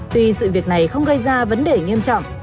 tuy sự việc này không gây ra vấn đề nghiêm trọng